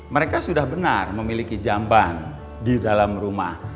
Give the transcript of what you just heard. mereka sudah benar memiliki jamban di dalam rumah